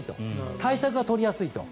対策が取りやすいと。